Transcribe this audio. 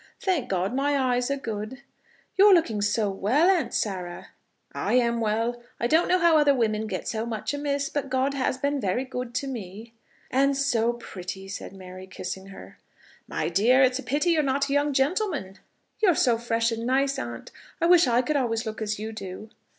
Thank God, my eyes are good." "You are looking so well, Aunt Sarah!" "I am well. I don't know how other women get so much amiss; but God has been very good to me." "And so pretty," said Mary, kissing her. "My dear, it's a pity you're not a young gentleman." "You are so fresh and nice, aunt. I wish I could always look as you do."